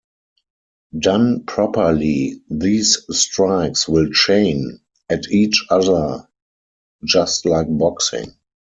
Done properly, these strikes will "chain" at each other just like boxing.